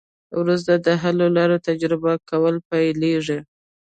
وروسته د حل لارو تجربه کول پیلیږي.